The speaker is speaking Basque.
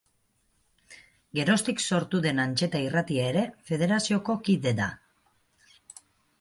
Geroztik sortu den Antxeta irratia ere federazioko kide da.